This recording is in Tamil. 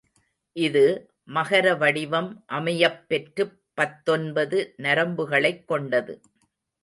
இது, மகர வடிவம் அமையப் பெற்றுப் பத்தொன்பது நரம்புகளைக் கொண்டது.